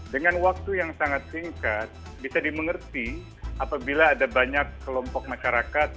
dengan waktu yang sangat singkat bisa dimengerti apabila ada banyak kelompok masyarakat